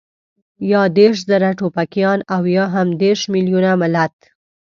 يا دېرش زره ټوپکيان او يا هم دېرش مېليونه ملت.